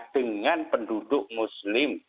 dengan penduduk muslim